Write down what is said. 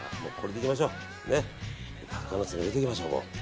鷹の爪、入れていきましょう。